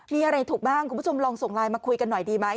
มีอะไรถูกบ้างคุณผู้ชมลองส่งไลน์มาคุยกันหน่อยดีไหม